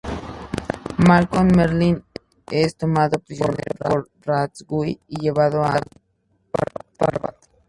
Malcolm Merlyn es tomado prisionero por Ra's al Ghul y llevado a Nanda Parbat.